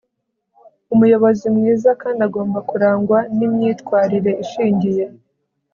umuyobozi mwiza kandi agomba kurangwa n'imyitwarire ishingiye